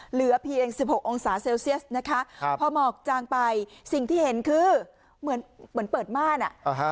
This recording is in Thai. เหลือเพียง๑๖องศาเซลเซียสนะคะพอหมอกจางไปสิ่งที่เห็นคือเหมือนเปิดม่านอ่ะ